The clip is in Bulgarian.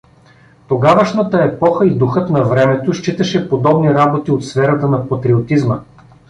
Тогавашната епоха и духът на времето считаше подобни работи от сферата на патриотизма.